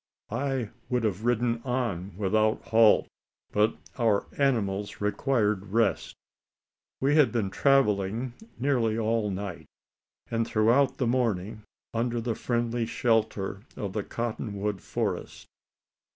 I would have ridden on, without halt, but our animals required rest. We had been travelling nearly all night, and throughout the morning under the friendly shelter of the cotton wood forest.